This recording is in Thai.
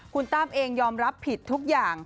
คุณตั้มเองยอมรับผิดทุกอย่าง